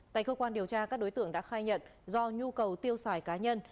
tại cơ quan điều tra các đối tượng đã khai nhận do nhu cầu tiêu xài cá nhân